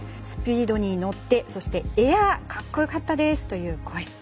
スピードに乗ってそして、エアかっこよかったです、という声。